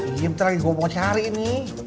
iya bentar lagi gue mau cari nih